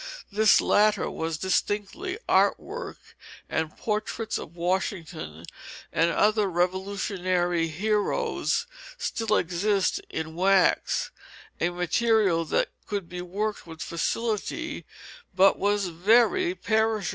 This latter was distinctly art work; and portraits of Washington and other Revolutionary heroes still exist in wax a material that could be worked with facility; but was very perishable.